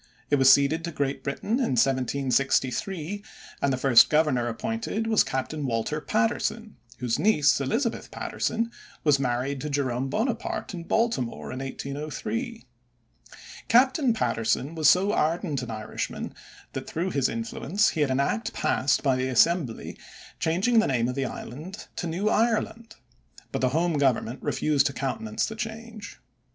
It was ceded to Great Britain in 1763, and the first Governor appointed was Captain Walter Patterson, whose niece, Elizabeth Patterson, was married to Jerome Bonaparte in Baltimore in 1803. Captain Patterson was so ardent an Irishman that through his influence he had an act passed by the Assembly changing the name of the island to New Ireland, but the home Government refused to countenance the change.